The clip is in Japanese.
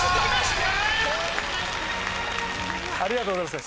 ありがとうございます